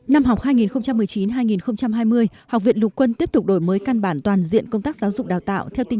năm học hai nghìn một mươi chín hai nghìn hai mươi học viện lục quân tiếp tục đổi mới căn bản toàn diện công tác giáo dục đào tạo